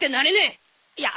いや。